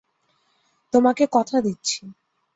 তোমাকে কথা দিচ্ছি।